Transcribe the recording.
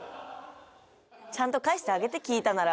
ちゃんと返してあげて聞いたなら。